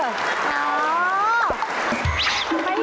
ไม่หยุด